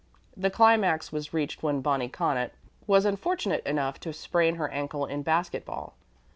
The climax was reached when Bonnie Connaught was unfortunate enough to sprain her ankle in basket ball.